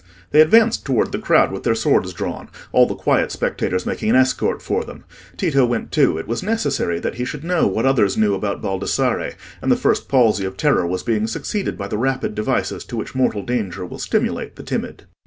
They advanced toward the crowd with their swords drawn, all the quiet spectators making an escort for them. Tito went too: it was necessary that he should know what others knew about Baldassarre, and the first palsy of terror was being succeeded by the rapid devices to which mortal danger will stimulate the timid.